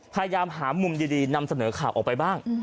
พยายามหามุมดีนำเสนอข่าวออกไปบ้าง